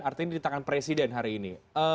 artinya di tangan presiden hari ini